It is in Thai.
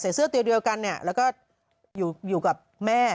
ใส่เสื้อตีเดียวกันแล้วก็อยู่กับแม่